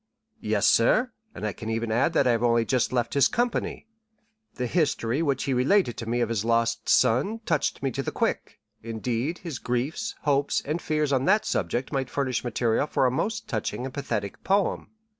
"Yes, sir; and I can even add that I have only just left his company. The history which he related to me of his lost son touched me to the quick; indeed, his griefs, hopes, and fears on that subject might furnish material for a most touching and pathetic poem.